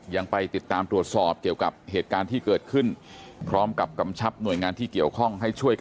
ยังไปติดตามถูกตอบวิธีช่วยกันป้องกันเพราะกับกำชับหน่วยงานที่เกี่ยวข้อง